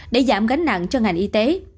để giảm gánh nặng cho ngành y tế